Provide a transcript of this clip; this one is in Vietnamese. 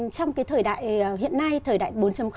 trong thời đại hiện nay thời đại bốn